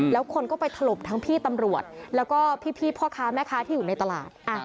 แล้วคนก็ไปถล่มทั้งพี่ตำรวจแล้วก็พี่พ่อค้าแม่ค้าที่อยู่ในตลาด